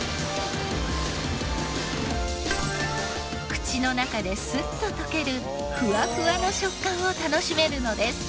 口の中でスッと溶けるふわふわの食感を楽しめるのです。